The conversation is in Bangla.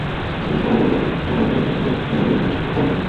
সবার দাবি একটাই, ঢাকার দামে প্রত্যন্ত গ্রামেও ইন্টারনেট সংযোগ চান তাঁরা।